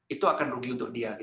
itu akan rugi untuk dia